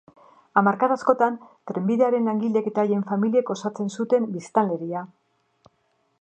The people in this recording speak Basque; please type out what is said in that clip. Hamarkada askotan trenbidearen langileen eta haien familiek osotzen zuten biztanleria.